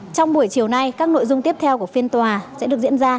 trong buổi chiều nay các nội dung tiếp theo của phiên tòa sẽ được diễn ra